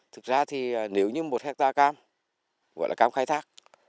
thực ra thì nếu như một hectare cam gọi là cam khai thác